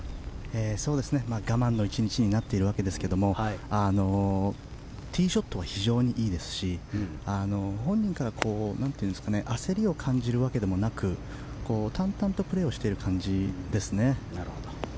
我慢の１日になっているわけですけどもティーショットは非常にいいですし本人から焦りを感じるわけでもなく淡々とプレーをしている感じですね。